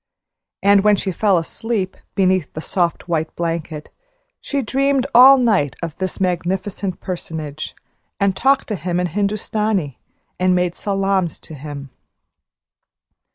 And when she fell asleep, beneath the soft white blanket, she dreamed all night of this magnificent personage, and talked to him in Hindustani, and made salaams to him.